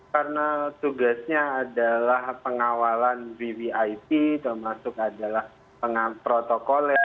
karena tugasnya adalah pengawalan vip termasuk adalah protokoler